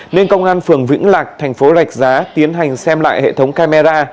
nên công an phường vĩnh lạc thành phố rạch giá tiến hành xem lại hệ thống camera